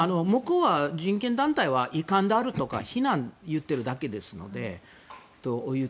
人権団体は遺憾だとか非難を言っているだけですので。